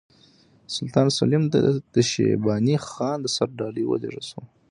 سلطان سلیم ته د شیباني خان د سر ډالۍ ولېږل شوه.